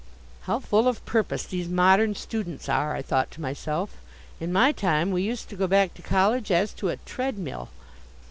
How full of purpose these modern students are, I thought to myself. In my time we used to go back to college as to a treadmill.